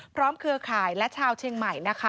พร้อมเครือข่ายและชาวเชียงใหม่